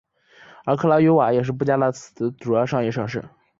而克拉约瓦也是布加勒斯特西边的主要商业城市。